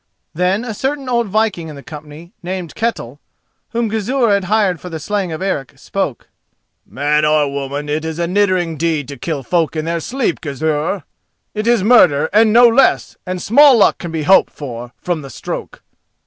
Then a certain old viking in the company, named Ketel, whom Gizur had hired for the slaying of Eric, spoke: "Man or woman, it is a niddering deed to kill folk in their sleep, Gizur! It is murder, and no less, and small luck can be hoped for from the stroke."